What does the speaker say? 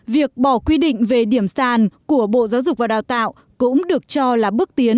việc bỏ quy định về điểm sàn của bộ giáo dục và đào tạo cũng được cho là bước tiến